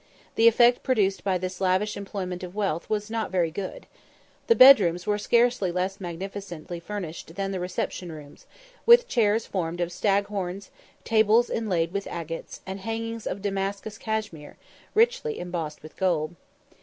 The effect produced by this lavish employment of wealth was not very good. The bedrooms were scarcely less magnificently furnished than the reception rooms; with chairs formed of stag horns, tables inlaid with agates, and hangings of Damascus cashmere, richly embossed with gold.